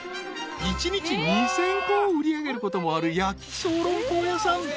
［１日２，０００個を売り上げることもある焼きショーロンポー屋さん］